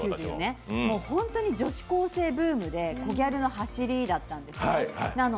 ホントに女子高生ブームでコギャルの走りだったんですね。